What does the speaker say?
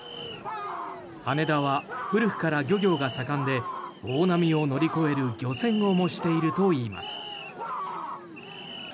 羽田は古くから漁業が盛んで大波を乗り越える漁船を模しているといいます。